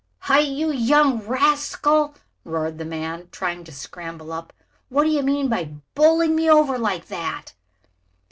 "Hi! you young rascal!" roared the man, trying to scramble up. "What do you mean by bowling me over like that?"